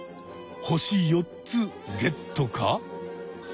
星４つゲットか！？